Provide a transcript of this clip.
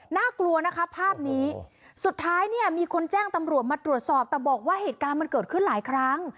น่ากลัวนะคะภาพนี้สุดท้ายเนี่ยมีคนแจ้งตำรวจมาตรวจสอบแต่บอกว่าเหตุการณ์มันเกิดขึ้นหลายครั้ง